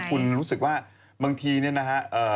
คุณรู้สึกว่าบางทีเนี่ยนะฮะ